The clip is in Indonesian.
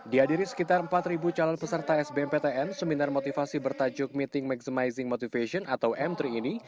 dihadiri sekitar empat calon peserta sbmptn seminar motivasi bertajuk meeting maximizing motivation atau m tiga ini